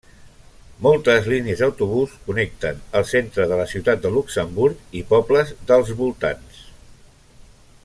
Moltes línies d'autobús connecten el centre de la ciutat de Luxemburg i pobles dels voltants.